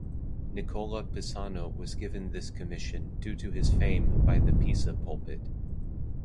Nicola Pisano was given this commission due to his fame by the Pisa pulpit.